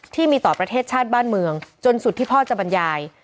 ที่มีต่อประเทศชาติบ้านเมืองจนสุดที่พ่อจะบรรยาย